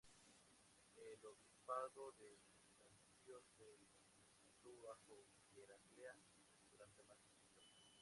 El obispado de Bizancio se mantuvo bajo Heraclea durante más de un siglo.